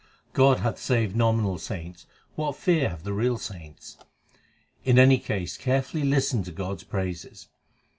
God hath saved nominal saints : what fear have the real saints ? In any case carefully listen to God s praises.